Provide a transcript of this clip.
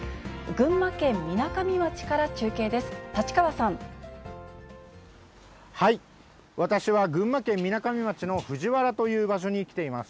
群馬県みなかみ町から中継です。